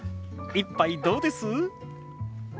一杯どうです？